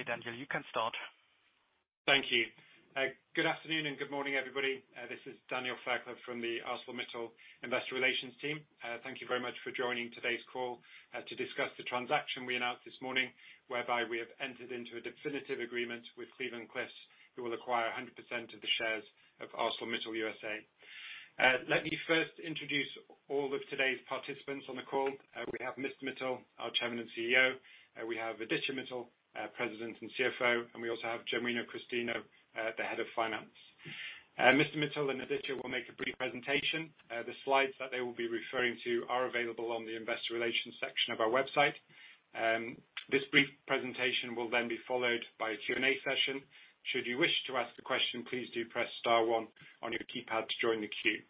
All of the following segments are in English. Okay, Daniel, you can start. Thank you. Good afternoon and good morning, everybody. This is Daniel Fairclough from the ArcelorMittal Investor Relations team. Thank you very much for joining today's call to discuss the transaction we announced this morning, whereby we have entered into a definitive agreement with Cleveland-Cliffs, who will acquire 100% of the shares of ArcelorMittal USA. Let me first introduce all of today's participants on the call. We have Mr. Mittal, our Chairman and CEO. We have Aditya Mittal, President and CFO, and we also have Genuino Christino, the Head of Finance. Mr. Mittal and Aditya will make a brief presentation. The slides that they will be referring to are available on the investor relations section of our website. This brief presentation will then be followed by a Q&A session. Should you wish to ask a question, please do press star one on your keypad to join the queue.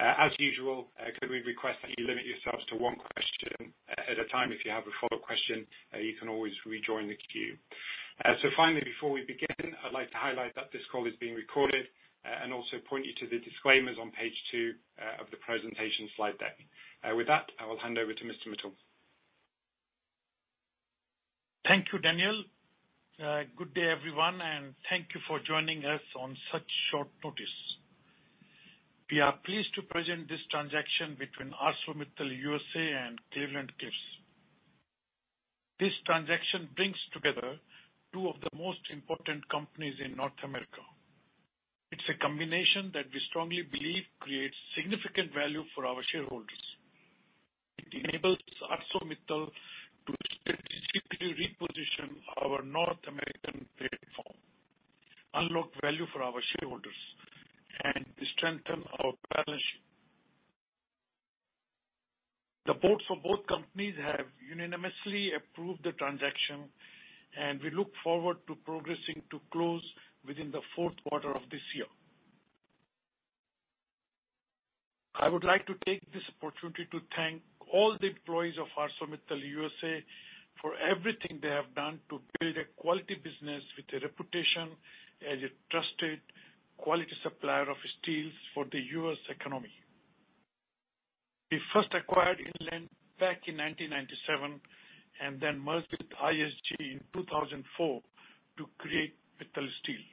As usual, could we request that you limit yourselves to one question at a time? If you have a follow-up question, you can always rejoin the queue. Finally, before we begin, I'd like to highlight that this call is being recorded and also point you to the disclaimers on page two of the presentation slide deck. With that, I will hand over to Mr. Mittal. Thank you, Daniel. Good day, everyone, thank you for joining us on such short notice. We are pleased to present this transaction between ArcelorMittal USA and Cleveland-Cliffs. This transaction brings together two of the most important companies in North America. It's a combination that we strongly believe creates significant value for our shareholders. It enables ArcelorMittal to strategically reposition our North American platform, unlock value for our shareholders, and to strengthen our balance sheet. The boards for both companies have unanimously approved the transaction, we look forward to progressing to close within the fourth quarter of this year. I would like to take this opportunity to thank all the employees of ArcelorMittal USA for everything they have done to build a quality business with a reputation as a trusted quality supplier of steels for the U.S. economy. We first acquired Inland back in 1997 and then merged with ISG in 2004 to create Mittal Steel.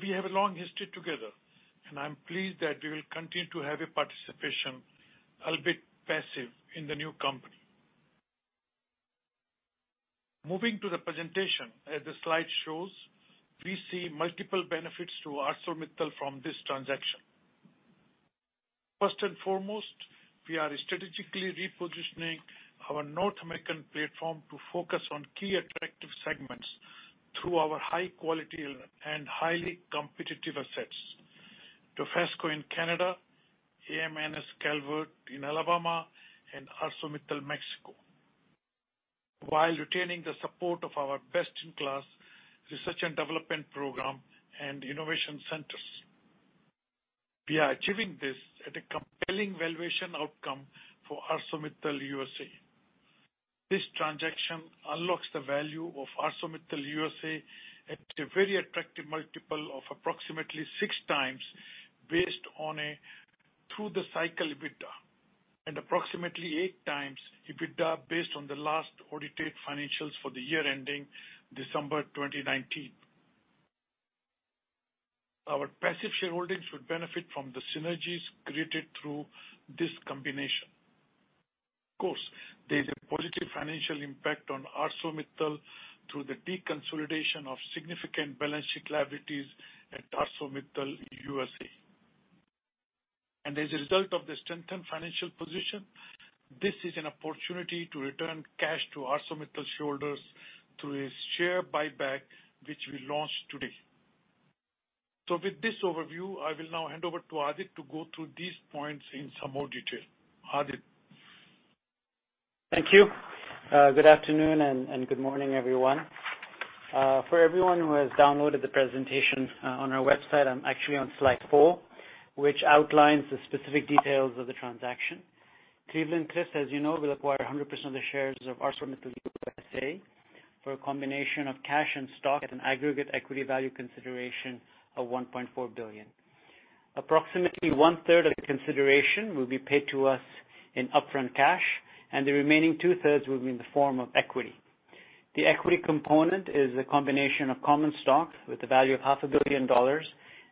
We have a long history together, and I'm pleased that we will continue to have a participation, albeit passive, in the new company. Moving to the presentation. As the slide shows, we see multiple benefits to ArcelorMittal from this transaction. First and foremost, we are strategically repositioning our North American platform to focus on key attractive segments through our high-quality and highly competitive assets. Dofasco in Canada, AM/NS Calvert in Alabama, and ArcelorMittal Mexico, while retaining the support of our best-in-class research and development program and innovation centers. We are achieving this at a compelling valuation outcome for ArcelorMittal USA. This transaction unlocks the value of ArcelorMittal USA at a very attractive multiple of approximately 6x based on a through-the-cycle EBITDA, and approximately 8x EBITDA based on the last audited financials for the year ending December 2019. Our passive shareholdings would benefit from the synergies created through this combination. Of course, there's a positive financial impact on ArcelorMittal through the deconsolidation of significant balance sheet liabilities at ArcelorMittal USA. As a result of the strengthened financial position, this is an opportunity to return cash to ArcelorMittal shareholders through a share buyback, which we launched today. With this overview, I will now hand over to Aditya to go through these points in some more detail. Aditya. Thank you. Good afternoon and good morning, everyone. For everyone who has downloaded the presentation on our website, I'm actually on slide four, which outlines the specific details of the transaction. Cleveland-Cliffs, as you know, will acquire 100% of the shares of ArcelorMittal USA for a combination of cash and stock at an aggregate equity value consideration of $1.4 billion. Approximately one-third of the consideration will be paid to us in upfront cash, and the remaining two-thirds will be in the form of equity. The equity component is a combination of common stock with a value of half a billion dollars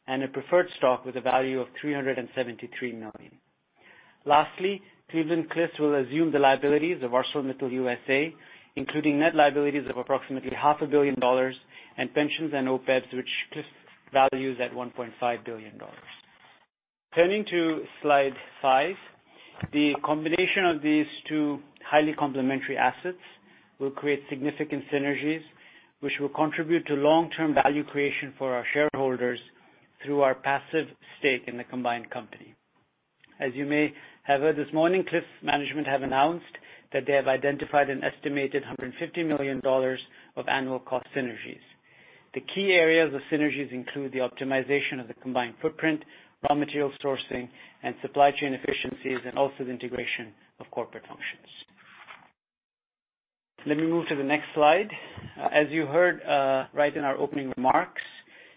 and a preferred stock with a value of $373 million. Lastly, Cleveland-Cliffs will assume the liabilities of ArcelorMittal USA, including net liabilities of approximately half a billion dollars in pensions and OPEBs, which Cliffs values at $1.5 billion. Turning to slide five. The combination of these two highly complementary assets will create significant synergies, which will contribute to long-term value creation for our shareholders through our passive stake in the combined company. As you may have heard this morning, Cliffs' management have announced that they have identified an estimated $150 million of annual cost synergies. The key areas of synergies include the optimization of the combined footprint, raw material sourcing, and supply chain efficiencies, and also the integration of corporate functions. Let me move to the next slide. As you heard right in our opening remarks.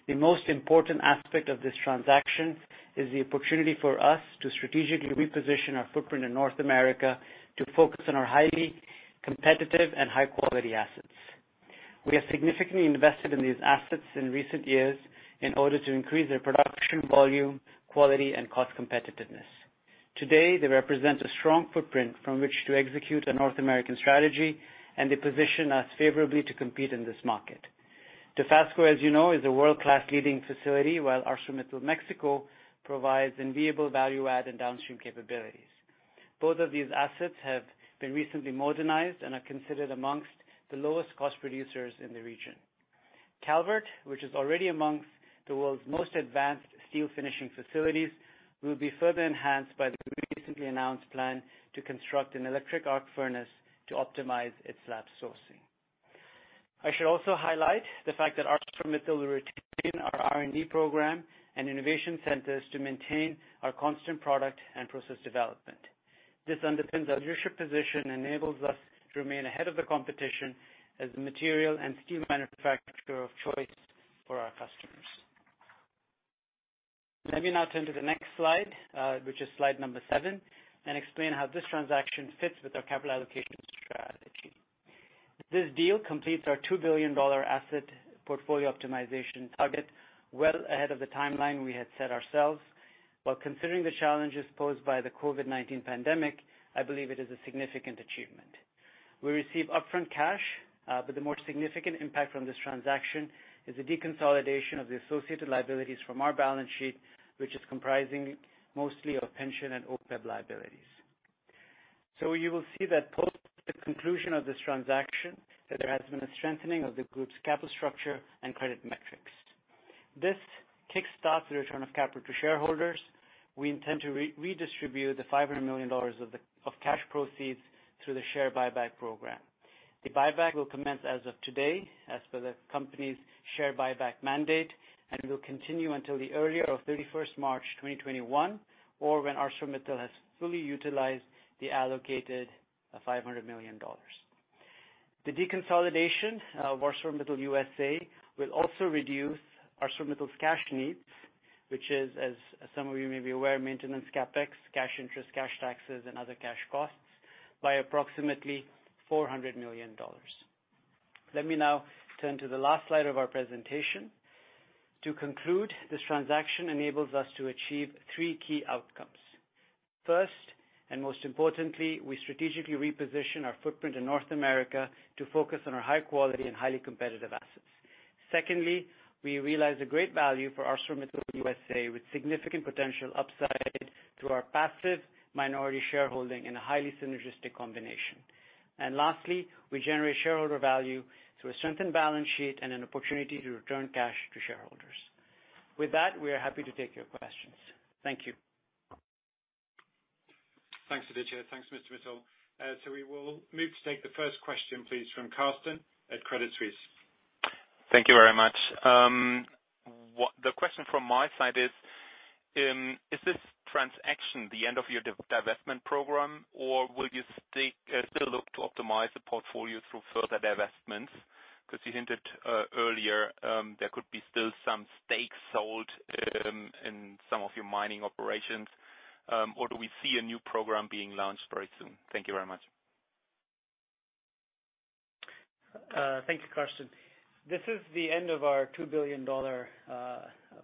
The most important aspect of this transaction is the opportunity for us to strategically reposition our footprint in North America to focus on our highly competitive and high-quality assets. We have significantly invested in these assets in recent years in order to increase their production volume, quality, and cost competitiveness. Today, they represent a strong footprint from which to execute a North American strategy, and they position us favorably to compete in this market. Dofasco, as you know, is a world-class leading facility, while ArcelorMittal Mexico provides enviable value add and downstream capabilities. Both of these assets have been recently modernized and are considered amongst the lowest cost producers in the region. Calvert, which is already amongst the world's most advanced steel finishing facilities, will be further enhanced by the recently announced plan to construct an electric arc furnace to optimize its slab sourcing. I should also highlight the fact that ArcelorMittal will retain our R&D program and innovation centers to maintain our constant product and process development. This underpins our leadership position and enables us to remain ahead of the competition as the material and steel manufacturer of choice for our customers. Let me now turn to the next slide, which is slide number seven, and explain how this transaction fits with our capital allocation strategy. This deal completes our $2 billion asset portfolio optimization target well ahead of the timeline we had set ourselves. While considering the challenges posed by the COVID-19 pandemic, I believe it is a significant achievement. We receive upfront cash, but the more significant impact from this transaction is the deconsolidation of the associated liabilities from our balance sheet, which is comprising mostly of pension and OPEB liabilities. You will see that post the conclusion of this transaction, that there has been a strengthening of the group's capital structure and credit metrics. This kick-starts the return of capital to shareholders. We intend to redistribute the $500 million of cash proceeds through the share buyback program. The buyback will commence as of today, as per the company's share buyback mandate, and will continue until the earlier of 31st March 2021, or when ArcelorMittal has fully utilized the allocated $500 million. The deconsolidation of ArcelorMittal USA will also reduce ArcelorMittal's cash needs, which is, as some of you may be aware, maintenance CapEx, cash interest, cash taxes, and other cash costs, by approximately $400 million. Let me now turn to the last slide of our presentation. To conclude, this transaction enables us to achieve three key outcomes. First, and most importantly, we strategically reposition our footprint in North America to focus on our high quality and highly competitive assets. Secondly, we realize a great value for ArcelorMittal USA with significant potential upside through our passive minority shareholding in a highly synergistic combination. Lastly, we generate shareholder value through a strengthened balance sheet and an opportunity to return cash to shareholders. With that, we are happy to take your questions. Thank you. Thanks, Aditya. Thanks, Mr. Mittal. We will move to take the first question, please, from Carsten at Credit Suisse. Thank you very much. The question from my side is this transaction the end of your divestment program, or will you still look to optimize the portfolio through further divestments? You hinted earlier there could be still some stakes sold in some of your mining operations, or do we see a new program being launched very soon? Thank you very much. Thank you, Carsten. This is the end of our $2 billion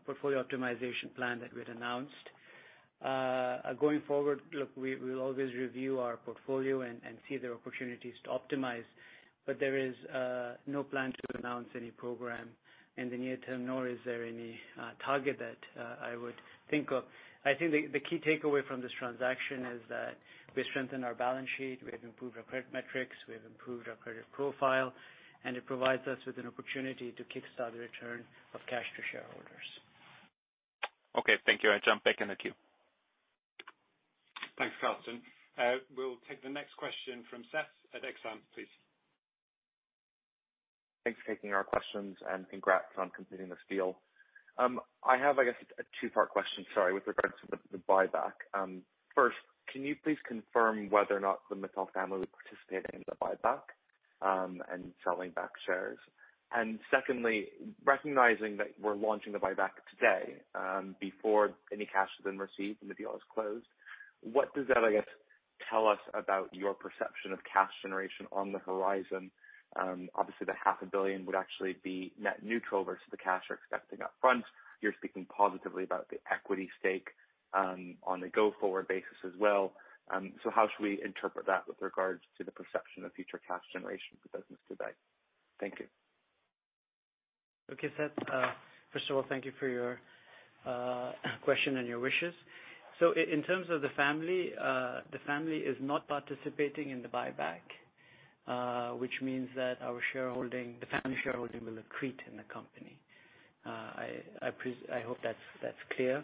portfolio optimization plan that we'd announced. Going forward, look, we will always review our portfolio and see if there are opportunities to optimize. There is no plan to announce any program in the near term, nor is there any target that I would think of. I think the key takeaway from this transaction is that we strengthen our balance sheet. We have improved our credit metrics. We have improved our credit profile. It provides us with an opportunity to kickstart the return of cash to shareholders. Okay. Thank you. I jump back in the queue. Thanks, Carsten. We'll take the next question from Seth at Exane, please. Thanks for taking our questions. Congrats on completing this deal. I have, I guess, a two-part question, sorry, with regards to the buyback. First, can you please confirm whether or not the Mittal family will participate in the buyback and selling back shares? Secondly, recognizing that we're launching the buyback today, before any cash has been received and the deal is closed, what does that, I guess, tell us about your perception of cash generation on the horizon? Obviously, the half a billion would actually be net neutral versus the cash you're expecting up front. You're speaking positively about the equity stake on a go-forward basis as well. How should we interpret that with regards to the perception of future cash generation for the business today? Thank you. Seth. First of all, thank you for your question and your wishes. In terms of the family, the family is not participating in the buyback, which means that our shareholding, the family shareholding will accrete in the company. I hope that's clear.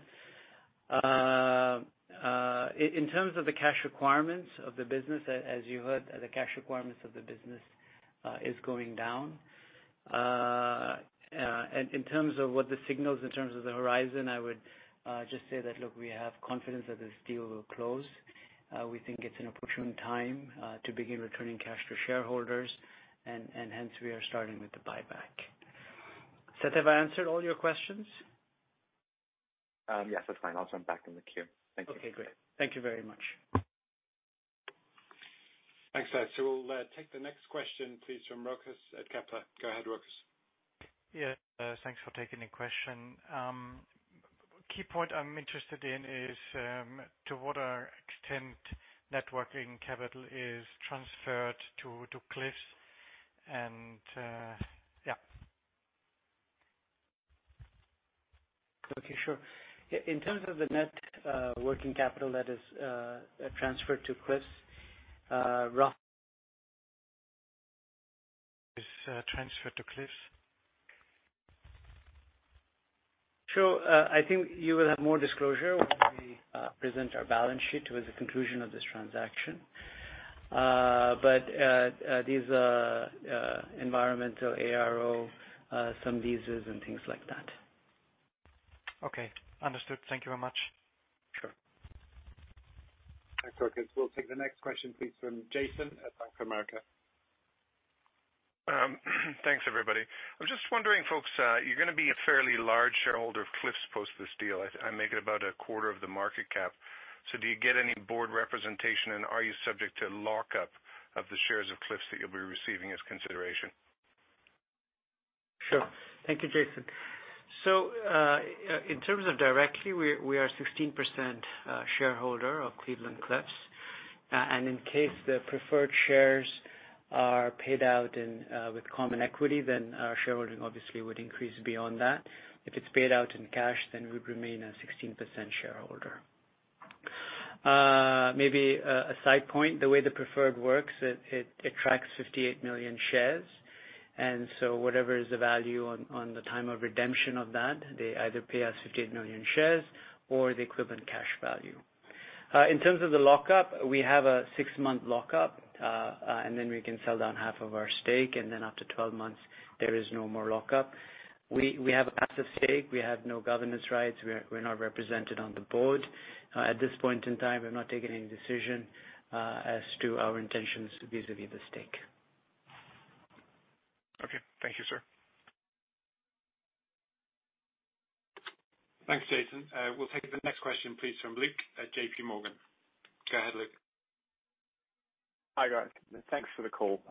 In terms of the cash requirements of the business, as you heard, the cash requirements of the business is going down. In terms of what the signals in terms of the horizon, I would just say that, look, we have confidence that this deal will close. We think it's an opportune time to begin returning cash to shareholders, and hence, we are starting with the buyback. Seth, have I answered all your questions? Yes, that's fine. I'll jump back in the queue. Thank you. Okay, great. Thank you very much. Thanks, Seth. We'll take the next question, please, from Rochus at Kepler. Go ahead, Rochus. Yes. Thanks for taking the question. Key point I'm interested in is, to what extent net working capital is transferred to Cliffs? Okay, sure. In terms of the net working capital that is transferred to Cliffs. Is transferred to Cliffs. Sure. I think you will have more disclosure when we present our balance sheet towards the conclusion of this transaction. These environmental ARO, some leases and things like that. Okay. Understood. Thank you very much. Sure. Thanks, Rochus. We'll take the next question, please, from Jason at Bank of America. Thanks, everybody. I'm just wondering, folks, you're gonna be a fairly large shareholder of Cliffs post this deal. I make it about a quarter of the market cap. Do you get any board representation, and are you subject to lockup of the shares of Cliffs that you'll be receiving as consideration? Sure. Thank you, Jason. In terms of directly, we are a 16% shareholder of Cleveland-Cliffs. In case the preferred shares are paid out with common equity, then our shareholding obviously would increase beyond that. If it's paid out in cash, then we'd remain a 16% shareholder. Maybe a side point, the way the preferred works, it tracks 58 million shares, whatever is the value on the time of redemption of that, they either pay us 58 million shares or the equivalent cash value. In terms of the lock-up, we have a 6-month lock-up, we can sell down half of our stake, after 12 months, there is no more lock-up. We have a passive stake. We have no governance rights. We're not represented on the board. At this point in time, we've not taken any decision as to our intentions vis-à-vis the stake. Okay. Thank you, sir. Thanks, Jason. We'll take the next question, please, from Luke at JPMorgan. Go ahead, Luke. Hi, guys. Thanks for the call.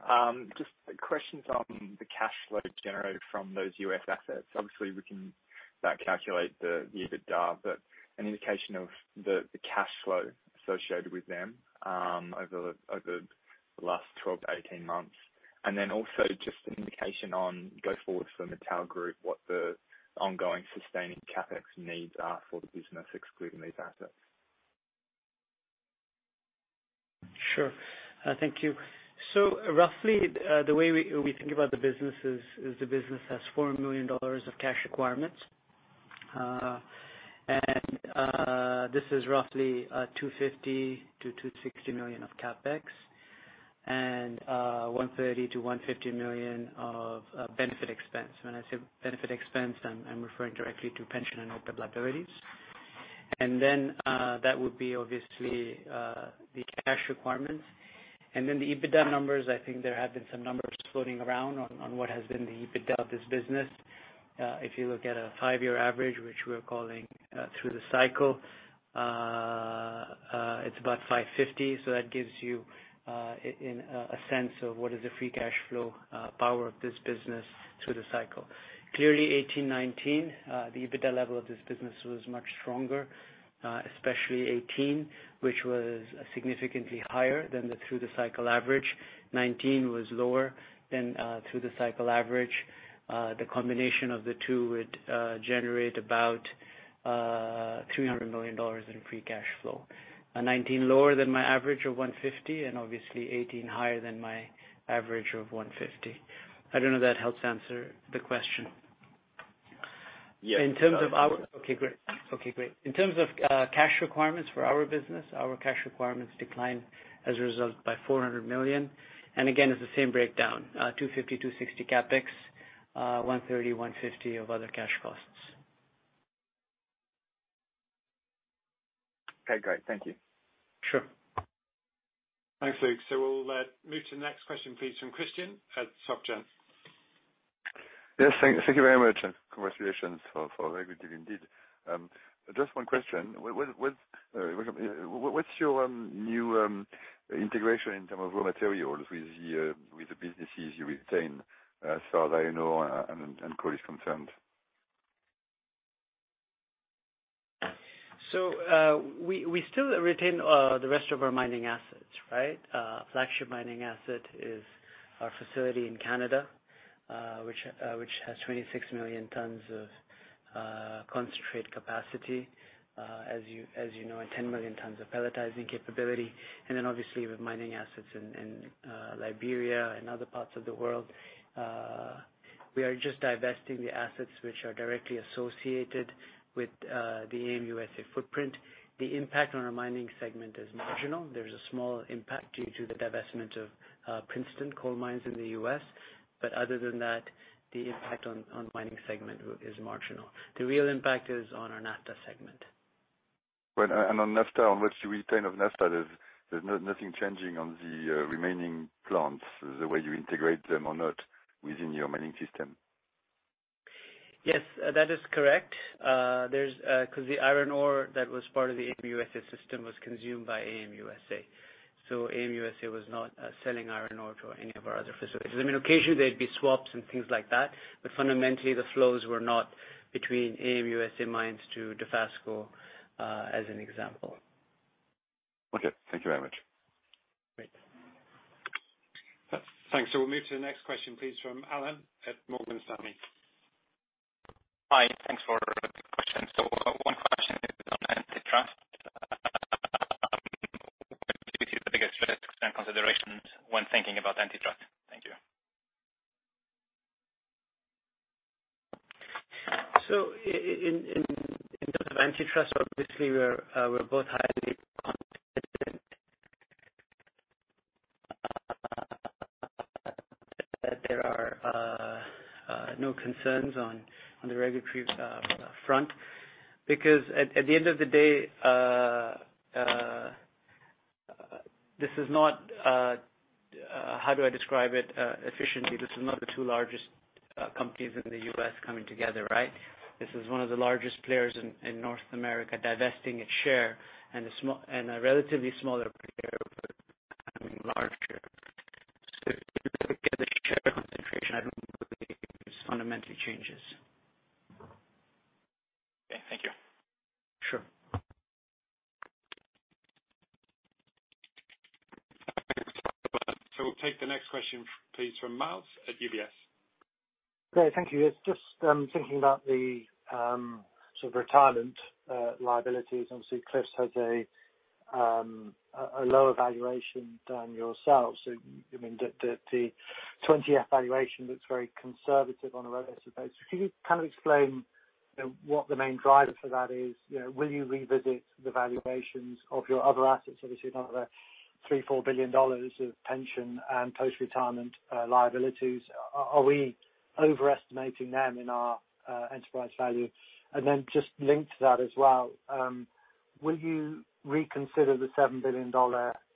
Just questions on the cash flow generated from those U.S. assets. Obviously, we can back calculate the EBITDA, but an indication of the cash flow associated with them over the last 12 to 18 months, just an indication on go forward for Mittal group, what the ongoing sustaining CapEx needs are for the business excluding these assets. Sure. Thank you. Roughly, the way we think about the business is the business has $400 million of cash requirements. This is roughly $250 million-$260 million of CapEx and $130 million-$150 million of benefit expense. When I say benefit expense, I'm referring directly to pension and OPEB liabilities. That would be obviously the cash requirements. The EBITDA numbers, I think there have been some numbers floating around on what has been the EBITDA of this business. If you look at a five-year average, which we are calling through-the-cycle, it's about $550 million. That gives you a sense of what is the free cash flow power of this business through-the-cycle. Clearly, 2018, 2019, the EBITDA level of this business was much stronger, especially 2018, which was significantly higher than the through-the-cycle average. 2019 was lower than through-the-cycle average. The combination of the two would generate about $300 million in free cash flow. 2019 lower than my average of $150 million, and obviously 2018 higher than my average of $150 million. I don't know if that helps answer the question. Yeah. Okay, great. In terms of cash requirements for our business, our cash requirements decline as a result by $400 million. Again, it's the same breakdown, $250-$260 CapEx, $130-$150 of other cash costs. Okay, great. Thank you. Sure. Thanks, Luke. We'll move to the next question please from Christian at Soc Gen. Thank you very much, congratulations for a very good deal indeed. Just one question. What's your new integration in terms of raw materials with the businesses you retain, as far as I know, and coal is concerned? We still retain the rest of our mining assets, right? Flagship mining asset is our facility in Canada, which has 26 million tons of concentrate capacity. As you know, 10 million tons of pelletizing capability, and then obviously with mining assets in Liberia and other parts of the world. We are just divesting the assets which are directly associated with the ArcelorMittal USA footprint. The impact on our mining segment is marginal. There's a small impact due to the divestment of Princeton Coal mines in the U.S., but other than that, the impact on mining segment is marginal. The real impact is on our NAFTA segment. Well, on NAFTA, on what you retain of NAFTA, there's nothing changing on the remaining plants, the way you integrate them or not within your mining system? That is correct. The iron ore that was part of the AM USA system was consumed by AM USA. AM USA was not selling iron ore to any of our other facilities. I mean, occasionally there'd be swaps and things like that, but fundamentally, the flows were not between AM USA mines to Dofasco, as an example. Okay. Thank you very much. Great. Thanks. We'll move to the next question, please, from Alain at Morgan Stanley. Hi. Thanks for the question. One question is on antitrust. What do you see as the biggest risks and considerations when thinking about antitrust? Thank you. In terms of antitrust, obviously, we're both highly confident that there are no concerns on the regulatory front. At the end of the day, how do I describe it efficiently? This is not the two largest companies in the U.S. coming together, right? This is one of the largest players in North America divesting its share and a relatively smaller player becoming larger. In terms of the share concentration, I don't believe this fundamentally changes. Okay. Thank you. Sure. We'll take the next question, please, from Miles at UBS. Great, thank you. It's just thinking about the sort of retirement liabilities. Obviously, Cliffs has a lower valuation than yourselves. The 20th valuation looks very conservative on a relative base. Could you kind of explain what the main driver for that is? Will you revisit the valuations of your other assets? Obviously, you talked about $3 billion, $4 billion of pension and post-retirement liabilities. Are we overestimating them in our enterprise value? Just linked to that as well, will you reconsider the $7 billion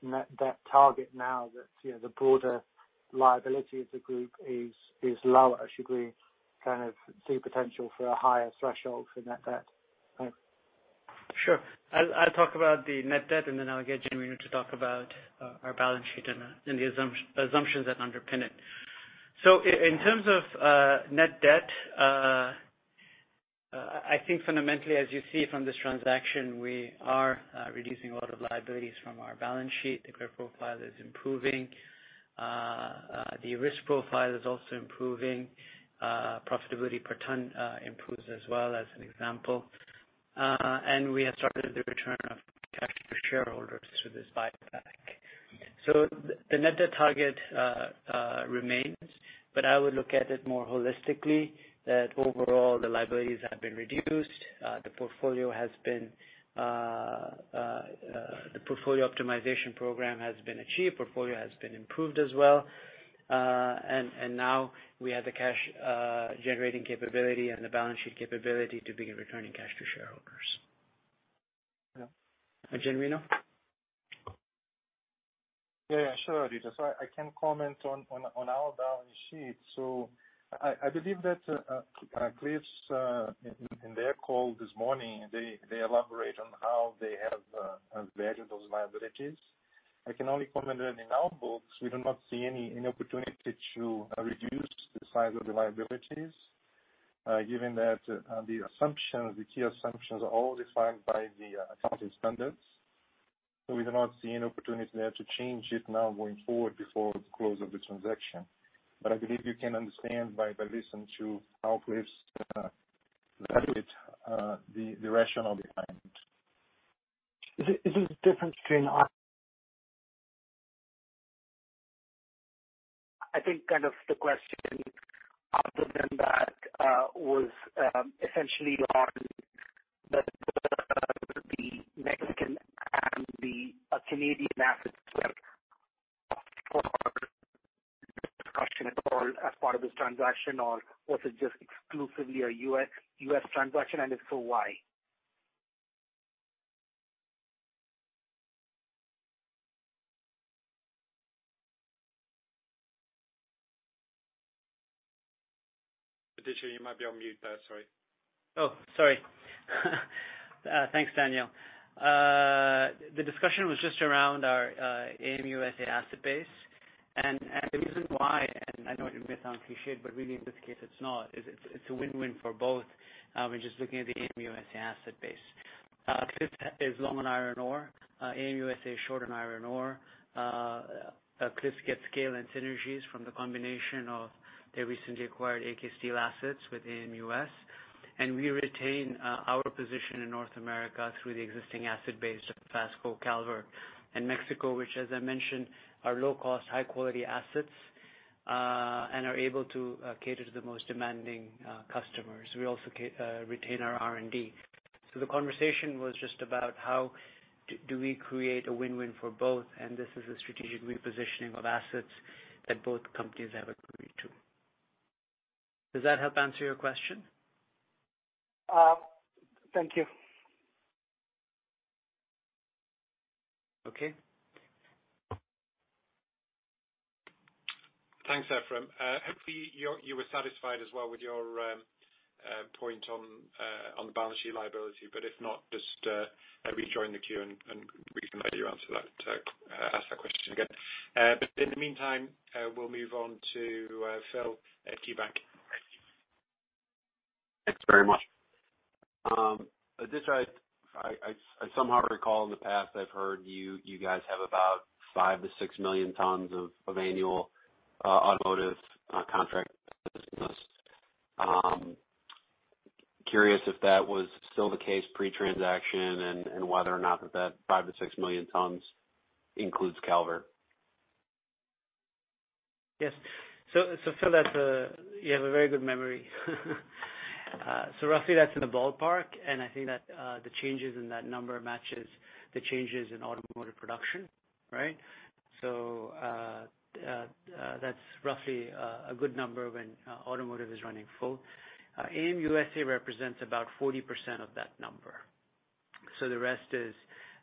net debt target now that the broader liability of the group is lower? Should we see potential for a higher threshold for net debt? Thanks. Sure. I'll talk about the net debt, and then I'll get Genuino to talk about our balance sheet and the assumptions that underpin it. In terms of net debt, I think fundamentally, as you see from this transaction, we are reducing a lot of liabilities from our balance sheet. The clear profile is improving. The risk profile is also improving. Profitability per ton improves as well, as an example. We have started the return of cash to shareholders through this buyback. The net debt target remains, but I would look at it more holistically, that overall the liabilities have been reduced. The portfolio optimization program has been achieved, portfolio has been improved as well. Now we have the cash generating capability and the balance sheet capability to begin returning cash to shareholders. Genuino? Yeah. Sure, Aditya. I can comment on our balance sheet. I believe that Cliffs, in their call this morning, they elaborate on how they have valued those liabilities. I can only comment on in our books, we do not see any opportunity to reduce the size of the liabilities, given that the key assumptions are all defined by the accounting standards. We do not see an opportunity there to change it now going forward before the close of the transaction. I believe you can understand by listening to how Cliffs evaluate the rationale behind it. I think kind of the question other than that was, essentially on the Mexican and the Canadian assets were up for discussion at all as part of this transaction, or was it just exclusively a U.S. transaction, and if so, why? Aditya, you might be on mute there. Sorry. Sorry. Thanks, Daniel. The discussion was just around our ArcelorMittal USA asset base. The reason why, I know it may sound clichéd, but really, in this case it's not, is it's a win-win for both, when just looking at the ArcelorMittal USA asset base. Cliffs is long on iron ore. ArcelorMittal USA is short on iron ore. Cliffs gets scale and synergies from the combination of their recently acquired AK Steel assets within U.S. We retain our position in North America through the existing asset base of Dofasco, Calvert, and Mexico, which as I mentioned, are low-cost, high-quality assets, are able to cater to the most demanding customers. We also retain our R&D. The conversation was just about how do we create a win-win for both, and this is a strategic repositioning of assets that both companies have agreed to. Does that help answer your question? Thank you. Okay. Thanks, Ephrem. Hopefully, you were satisfied as well with your point on the balance sheet liability. If not, just rejoin the queue and we can let you ask that question again. In the meantime, we'll move on to Phil at KeyBanc. Thanks very much. Aditya, I somehow recall in the past I've heard you guys have about 5 million-6 million tons of annual automotive contract business. Curious if that was still the case pre-transaction, and whether or not that 5 million-6 million tons includes Calvert. Yes. Phil, you have a very good memory. Roughly that's in the ballpark, and I think that the changes in that number matches the changes in automotive production. Right? That's roughly a good number when automotive is running full. AM USA represents about 40% of that number. The rest is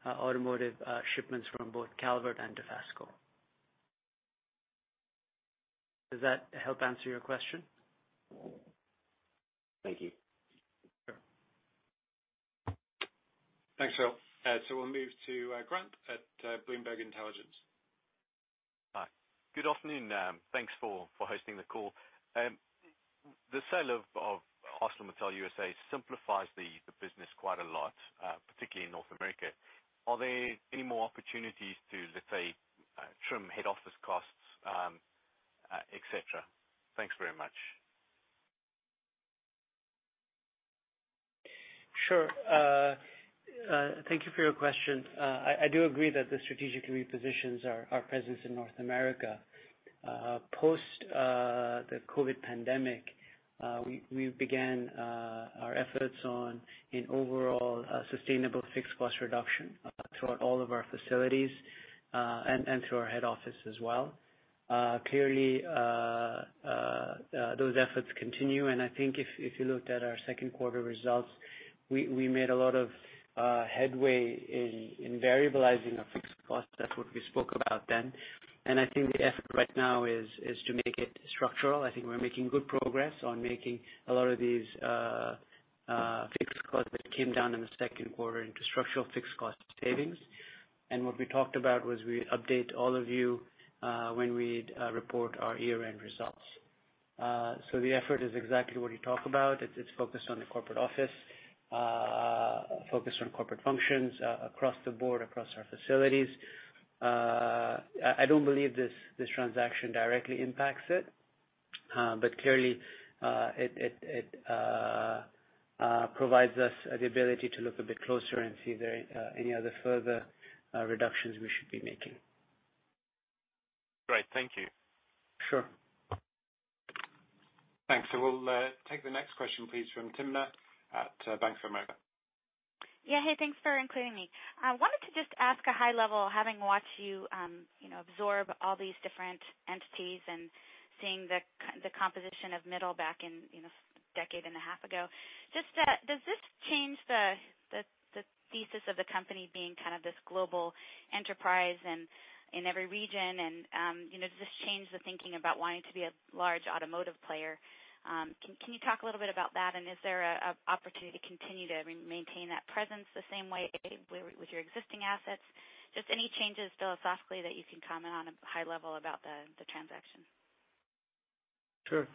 automotive shipments from both Calvert and Dofasco. Does that help answer your question? Thank you. Sure. Thanks, Phil. We'll move to Grant at Bloomberg Intelligence. Hi, good afternoon. Thanks for hosting the call. The sale of ArcelorMittal USA simplifies the business quite a lot, particularly in North America. Are there any more opportunities to, let's say, trim head office costs, et cetera? Thanks very much. Sure. Thank you for your question. I do agree that this strategically positions our presence in North America. Post the COVID pandemic, we began our efforts on an overall sustainable fixed cost reduction throughout all of our facilities, and through our head office as well. Clearly, those efforts continue, and I think if you looked at our second quarter results, we made a lot of headway in variabilizing our fixed costs. That's what we spoke about then. I think the effort right now is to make it structural. I think we're making good progress on making a lot of these fixed costs that came down in the second quarter into structural fixed cost savings. What we talked about was we'd update all of you, when we'd report our year-end results. The effort is exactly what you talk about. It's focused on the corporate office, focused on corporate functions across the board, across our facilities. I don't believe this transaction directly impacts it, but clearly, it provides us the ability to look a bit closer and see if there are any other further reductions we should be making. Great. Thank you. Sure. Thanks. We'll take the next question, please, from Timna at Bank of America. Yeah. Hey, thanks for including me. I wanted to just ask a high level, having watched you absorb all these different entities and seeing the composition of Mittal back a decade and a half ago, does this change the thesis of the company being this global enterprise and in every region, and does this change the thinking about wanting to be a large automotive player? Can you talk a little bit about that, and is there an opportunity to continue to maintain that presence the same way with your existing assets? Just any changes philosophically that you can comment on at a high level about the transaction? Sure.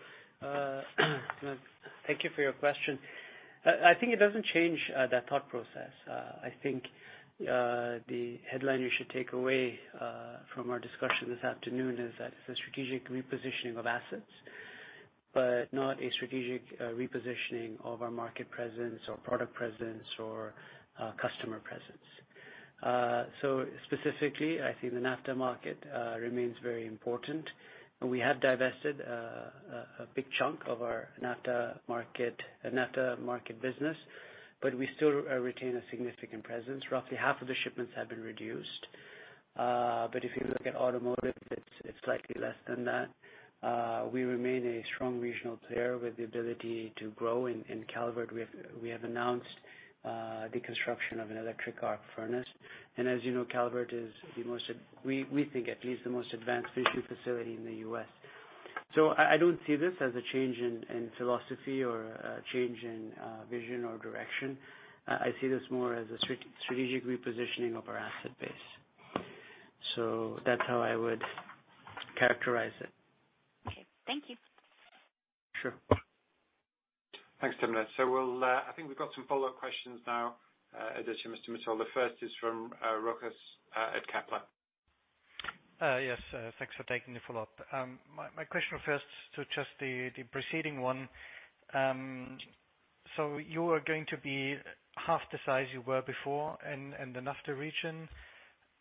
Timna, thank you for your question. I think it doesn't change that thought process. I think the headline you should take away from our discussion this afternoon is that it's a strategic repositioning of assets, but not a strategic repositioning of our market presence or product presence or customer presence. Specifically, I think the NAFTA market remains very important. We have divested a big chunk of our NAFTA market business, but we still retain a significant presence. Roughly half of the shipments have been reduced. If you look at automotive, it's slightly less than that. We remain a strong regional player with the ability to grow. In Calvert, we have announced the construction of an electric arc furnace. As you know, Calvert is, we think at least, the most advanced finishing facility in the U.S. I don't see this as a change in philosophy or a change in vision or direction. I see this more as a strategic repositioning of our asset base. That's how I would characterize it. Okay. Thank you. Sure. Thanks, Timna. I think we've got some follow-up questions now, Aditya Mittal. The first is from Rochus at Kepler. Yes. Thanks for taking the follow-up. My question refers to just the preceding one. You are going to be half the size you were before in the NAFTA region.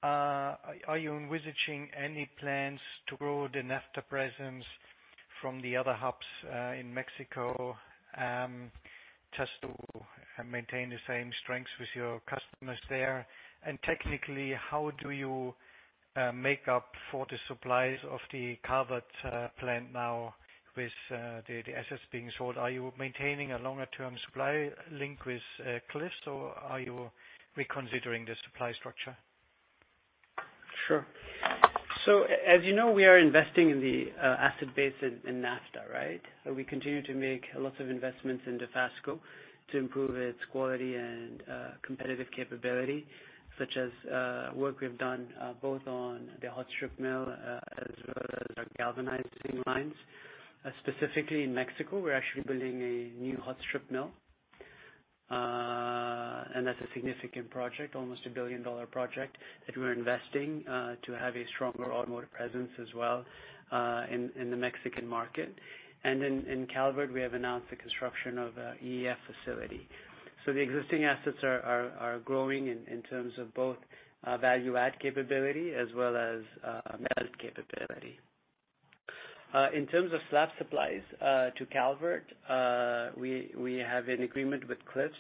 Are you envisaging any plans to grow the NAFTA presence from the other hubs in Mexico? Maintain the same strengths with your customers there. And technically, how do you make up for the supplies of the Calvert plant now with the assets being sold? Are you maintaining a longer-term supply link with Cliffs, or are you reconsidering the supply structure? As you know, we are investing in the asset base in NAFTA, right? We continue to make lots of investments into Dofasco to improve its quality and competitive capability, such as work we've done both on the hot strip mill as well as our galvanizing lines. Specifically in Mexico, we're actually building a new hot strip mill. That's a significant project, almost a billion-dollar project that we're investing to have a stronger automotive presence as well in the Mexican market. In Calvert, we have announced the construction of a EAF facility. The existing assets are growing in terms of both value add capability as well as melt capability. In terms of slab supplies to Calvert, we have an agreement with Cliffs,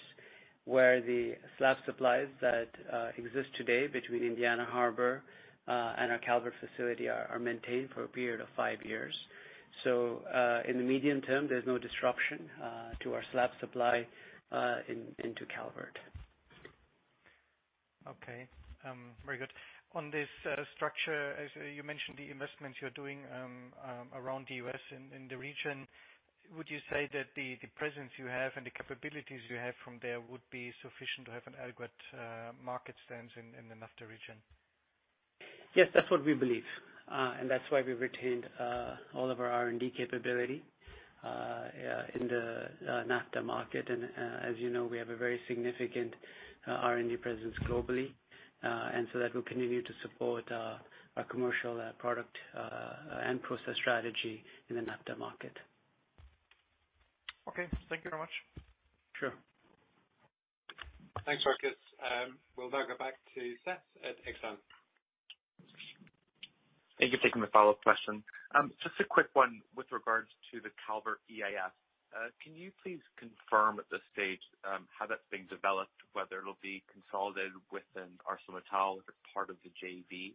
where the slab supplies that exist today between Indiana Harbor and our Calvert facility are maintained for a period of five years. In the medium term, there's no disruption to our slab supply into Calvert. Okay. Very good. On this structure, as you mentioned, the investments you're doing around the U.S. and in the region, would you say that the presence you have and the capabilities you have from there would be sufficient to have an adequate market stance in the NAFTA region? Yes, that's what we believe. That's why we retained all of our R&D capability in the NAFTA market. As you know, we have a very significant R&D presence globally. That will continue to support our commercial product and process strategy in the NAFTA market. Okay. Thank you very much. Sure. Thanks, Rochus. We'll now go back to Seth at Exane. Thank you for taking the follow-up question. Just a quick one with regards to the Calvert EAF. Can you please confirm at this stage how that's being developed, whether it'll be consolidated within ArcelorMittal as a part of the JV,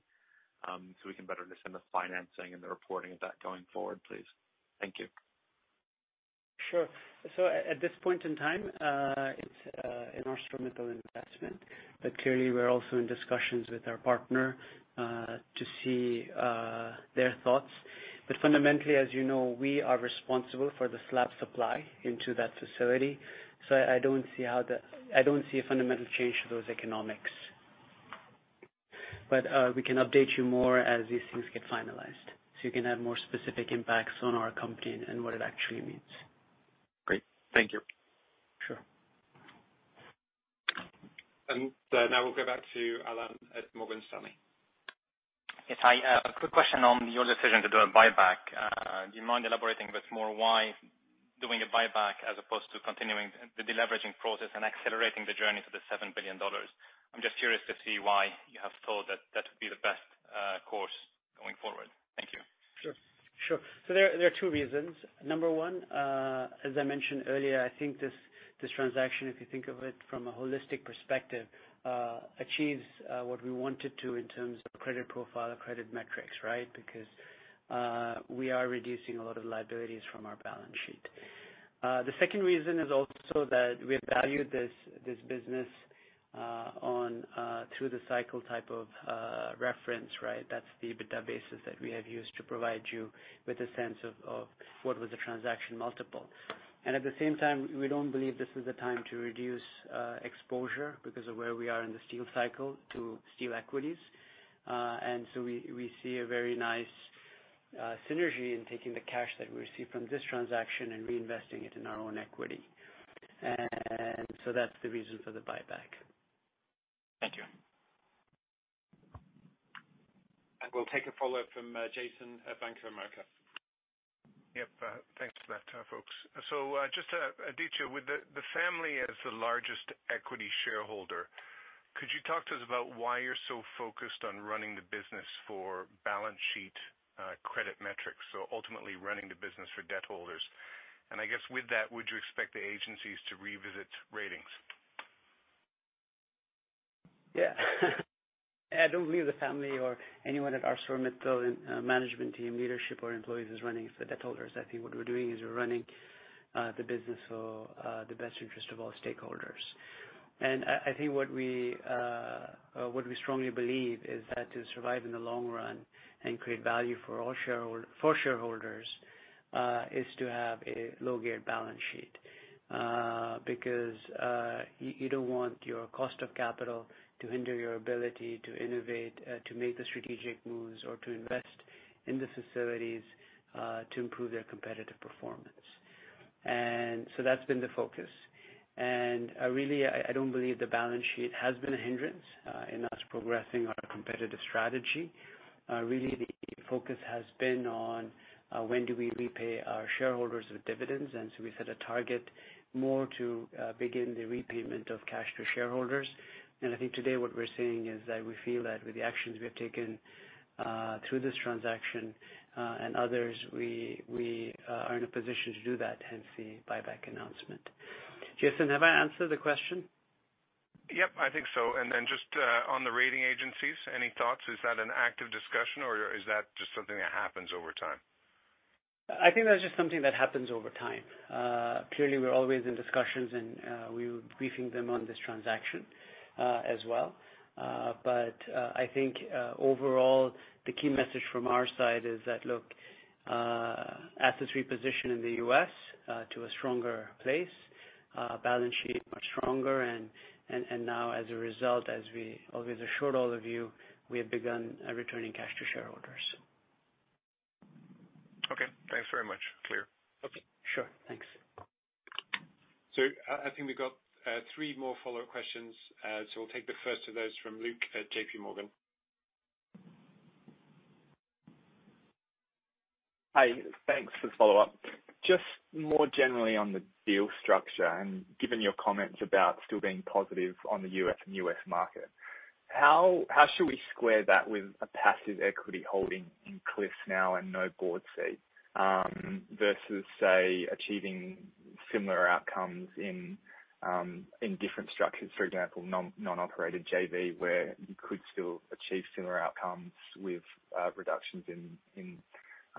so we can better understand the financing and the reporting of that going forward, please? Thank you. Sure. At this point in time, it's an ArcelorMittal investment, but clearly we're also in discussions with our partner to see their thoughts. Fundamentally, as you know, we are responsible for the slab supply into that facility. I don't see a fundamental change to those economics. We can update you more as these things get finalized, so you can have more specific impacts on our company and what it actually means. Great. Thank you. Sure. Now we'll go back to Alain at Morgan Stanley. Yes. Hi. A quick question on your decision to do a buyback. Do you mind elaborating a bit more why doing a buyback as opposed to continuing the deleveraging process and accelerating the journey to the $7 billion? I am just curious to see why you have thought that that would be the best course going forward. Thank you. Sure. There are two reasons. Number one, as I mentioned earlier, I think this transaction, if you think of it from a holistic perspective, achieves what we want it to in terms of credit profile or credit metrics, right? Because we are reducing a lot of liabilities from our balance sheet. The second reason is also that we have valued this business through-the-cycle type of reference, right? That's the EBITDA basis that we have used to provide you with a sense of what was the transaction multiple. At the same time, we don't believe this is the time to reduce exposure because of where we are in the steel cycle to steel equities. We see a very nice synergy in taking the cash that we receive from this transaction and reinvesting it in our own equity. That's the reason for the buyback. Thank you. We'll take a follow-up from Jason at Bank of America. Yep. Thanks for that, folks. Just a detail. With the family as the largest equity shareholder, could you talk to us about why you're so focused on running the business for balance sheet credit metrics, so ultimately running the business for debt holders? I guess with that, would you expect the agencies to revisit ratings? I don't believe the family or anyone at ArcelorMittal management team, leadership, or employees is running it for debt holders. I think what we're doing is we're running the business for the best interest of all stakeholders. I think what we strongly believe is that to survive in the long run and create value for shareholders is to have a low-gear balance sheet. You don't want your cost of capital to hinder your ability to innovate, to make the strategic moves, or to invest in the facilities to improve their competitive performance. That's been the focus. Really, I don't believe the balance sheet has been a hindrance in us progressing our competitive strategy. The focus has been on when do we repay our shareholders with dividends, and so we set a target more to begin the repayment of cash to shareholders. I think today what we're saying is that we feel that with the actions we have taken through this transaction and others, we are in a position to do that, hence the buyback announcement. Jason, have I answered the question? Yep, I think so. Just on the rating agencies, any thoughts? Is that an active discussion or is that just something that happens over time? I think that's just something that happens over time. Clearly, we're always in discussions and we're briefing them on this transaction, as well. I think overall the key message from our side is that, look, assets reposition in the U.S. to a stronger place, balance sheet much stronger. Now as a result, as we always assured all of you, we have begun returning cash to shareholders. Okay, thanks very much. Clear. Okay, sure. Thanks. I think we've got three more follow-up questions. We'll take the first of those from Luke at JPMorgan. Hi. Thanks for the follow-up. Just more generally on the deal structure and given your comments about still being positive on the U.S. and U.S. market, how should we square that with a passive equity holding in Cliffs now and no board seat, versus, say, achieving similar outcomes in different structures? For example, non-operated JV, where you could still achieve similar outcomes with reductions in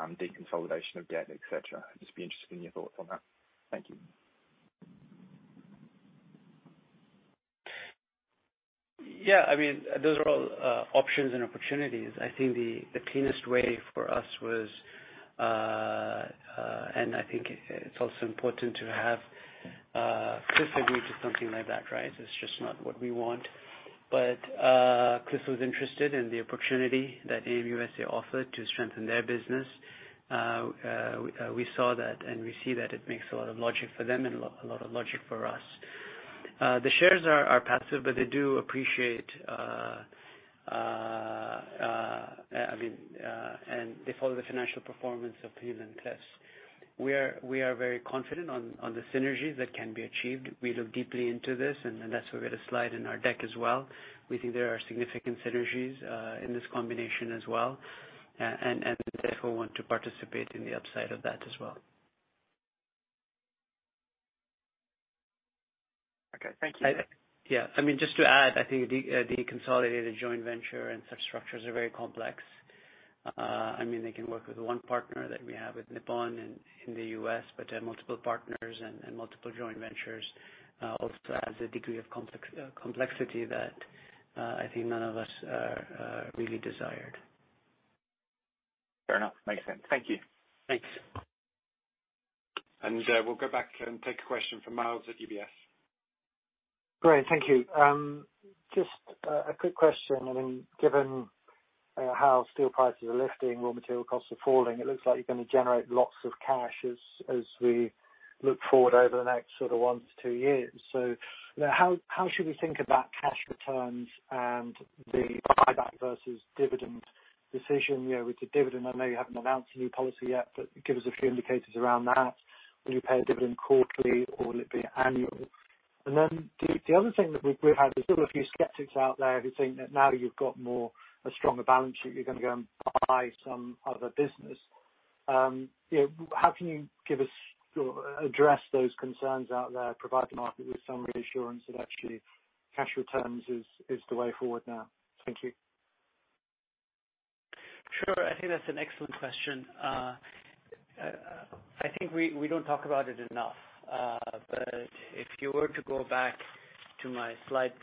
deconsolidation of debt, et cetera. I'd just be interested in your thoughts on that. Thank you. Yeah. Those are all options and opportunities. I think the cleanest way for us was. I think it's also important to have Cliffs agree to something like that, right? It's just not what we want. Cliffs was interested in the opportunity that ArcelorMittal USA offered to strengthen their business. We saw that and we see that it makes a lot of logic for them and a lot of logic for us. The shares are passive, but they do appreciate, and they follow the financial performance of ArcelorMittal. We are very confident on the synergies that can be achieved. We look deeply into this, and that's why we had a slide in our deck as well. We think there are significant synergies in this combination as well. We therefore want to participate in the upside of that as well. Okay. Thank you. Yeah. Just to add, I think deconsolidated joint venture and such structures are very complex. They can work with the one partner that we have with Nippon and in the U.S., but to have multiple partners and multiple joint ventures, also adds a degree of complexity that I think none of us really desired. Fair enough. Makes sense. Thank you. Thanks. We'll go back and take a question from Miles at UBS. Great. Thank you. Just a quick question. Given how steel prices are lifting, raw material costs are falling, it looks like you're going to generate lots of cash as we look forward over the next sort of one to two years. How should we think about cash returns and the buyback versus dividend decision? With the dividend, I know you haven't announced a new policy yet, but give us a few indicators around that. Will you pay a dividend quarterly or will it be annual? The other thing that we've had, there's still a few skeptics out there who think that now you've got more, a stronger balance sheet, you're going to go and buy some other business. How can you give us or address those concerns out there, provide the market with some reassurance that actually cash returns is the way forward now? Thank you. Sure. I think that's an excellent question. I think we don't talk about it enough. If you were to go back to my slide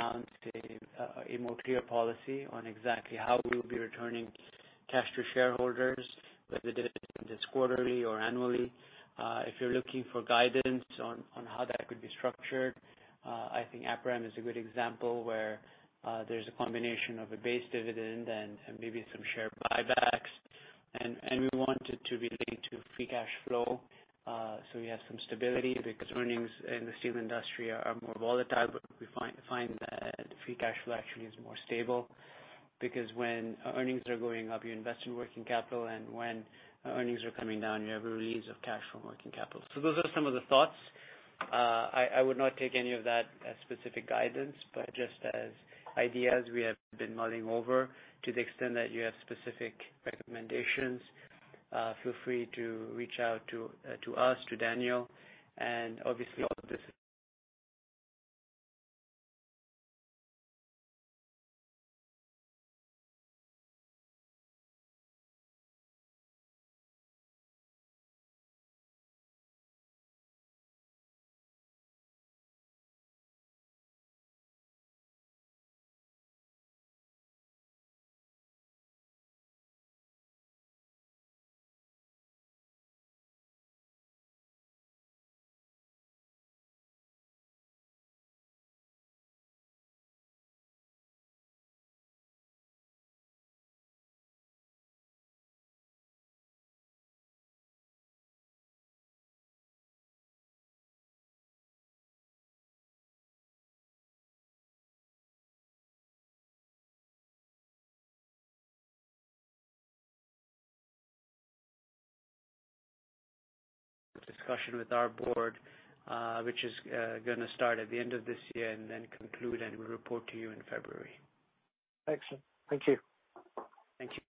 balance sheet, a more clear policy on exactly how we'll be returning cash to shareholders, whether the dividend is quarterly or annually. If you're looking for guidance on how that could be structured, I think Aperam is a good example where there's a combination of a base dividend and maybe some share buybacks. We want it to relate to free cash flow. We have some stability because earnings in the steel industry are more volatile, but we find that free cash flow actually is more stable, because when earnings are going up, you invest in working capital, and when earnings are coming down, you have a release of cash from working capital. Those are some of the thoughts. I would not take any of that as specific guidance, but just as ideas we have been mulling over. To the extent that you have specific recommendations, feel free to reach out to us, to Daniel, and obviously all of this discussion with our board, which is going to start at the end of this year and then conclude, and we'll report to you in February. Excellent. Thank you. Thank you.